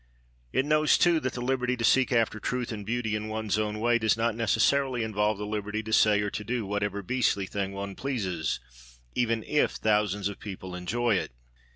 It knows, too, that the liberty to seek after truth and beauty in one's own way does not necessarily involve the liberty to say or to do whatever beastly thing one pleases, even if thousands of people enjoy it.